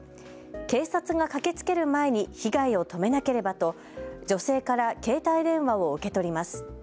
警察が駆けつける前に被害を止めなければと女性から携帯電話を受け取ります。